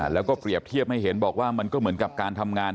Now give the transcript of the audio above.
แล้วก็เปรียบเทียบให้เห็นบอกว่ามันก็เหมือนกับการทำงาน